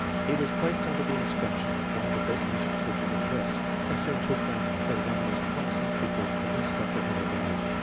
He was placed under the instruction of one of the best music teachers in the West, and soon took rank as one of the most promising pupils that instructor had ever had.